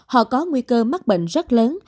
họ có nguy cơ mắc bệnh rất lớn